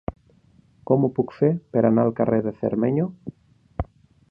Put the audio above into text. Com ho puc fer per anar al carrer de Cermeño?